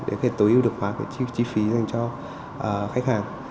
để có thể tối ưu được khóa cái chi phí dành cho khách hàng